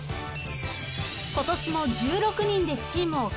［今年も１６人でチームを結成］